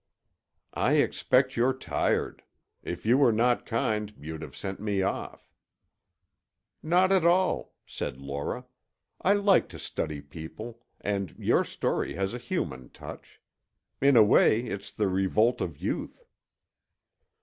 "I expect you're tired. If you were not kind, you'd have sent me off." "Not at all," said Laura. "I like to study people, and your story has a human touch. In a way, it's the revolt of youth."